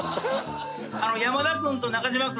山田君と中島君。